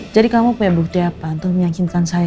jadi kamu punya bukti apa untuk meyakinkan saya